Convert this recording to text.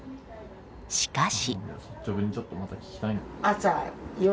しかし。